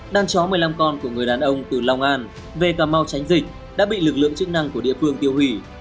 đang chó một mươi năm con của người đàn ông từ long an về cà mau tránh dịch đã bị lực lượng chức năng của địa phương tiêu hủy